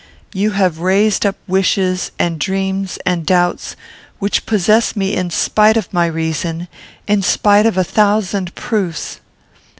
You have raised up wishes, and dreams, and doubts, which possess me in spite of my reason, in spite of a thousand proofs.